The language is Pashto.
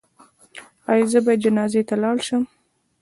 ایا زه باید جنازې ته لاړ شم؟